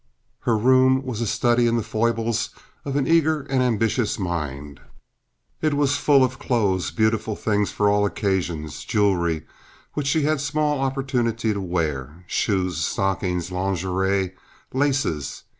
Her room was a study in the foibles of an eager and ambitious mind. It was full of clothes, beautiful things for all occasions—jewelry—which she had small opportunity to wear—shoes, stockings, lingerie, laces.